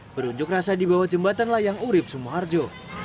berunjuk rasa di bawah jembatan layang urib sumoharjo